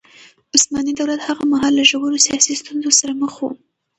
عثماني دولت هغه مهال له ژورو سياسي ستونزو سره مخ و.